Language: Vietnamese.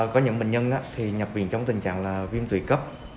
có những bệnh nhân nhập viện trong tình trạng viêm tủy cấp